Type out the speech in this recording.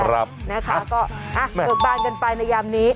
นะครับอ้าวแม่งนะครับอ้าวเกิดบ้านกันไปในยามนี้